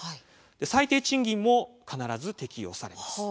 最低賃金も必ず適用されます。